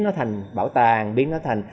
nó thành bảo tàng biến nó thành